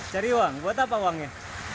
cari uang buat apa uangnya